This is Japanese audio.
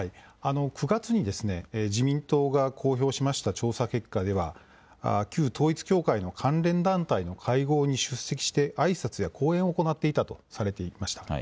９月に自民党が公表しました調査結果では旧統一教会の関連団体の会合に出席してあいさつや講演を行っていたとされていました。